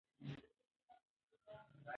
د کونډو مرسته وکړئ.